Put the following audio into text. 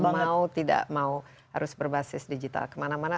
mau tidak mau harus berbasis digital kemana mana